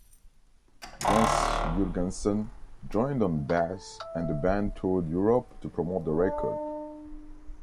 Jens Jurgensen joined on bass and the band toured Europe to promote the record.